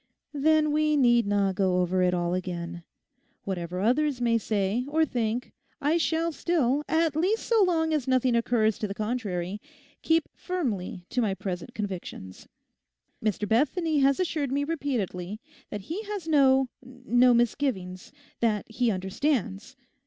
'Then we need not go over it all again. Whatever others may say, or think, I shall still, at least so long as nothing occurs to the contrary, keep firmly to my present convictions. Mr Bethany has assured me repeatedly that he has no—no misgivings; that he understands.